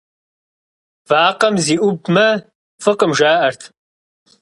Вакъэм зиӀубмэ, фӀыкъым, жаӀэрт.